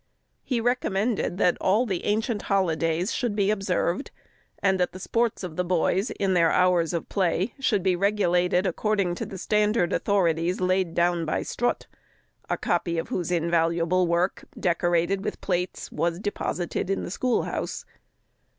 He recommended that all the ancient holidays should be observed, and that the sports of the boys, in their hours of play, should be regulated according to the standard authorities laid down by Strutt; a copy of whose invaluable work, decorated with plates, was deposited in the school house.